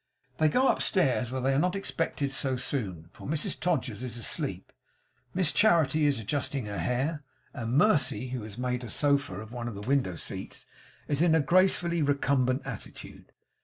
They go upstairs, where they are not expected so soon; for Mrs Todgers is asleep, Miss Charity is adjusting her hair, and Mercy, who has made a sofa of one of the window seats is in a gracefully recumbent attitude.